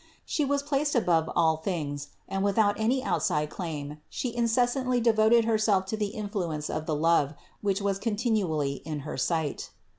She was placed above all things and without any outside claim She incessantly devoted Herself to the influence of the love, which was contin ually in her sight.